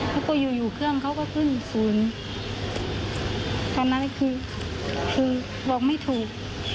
แล้วก็อยู่อยู่เครื่องเขาก็ขึ้นศูนย์ตอนนั้นคือคือบอกไม่ถูก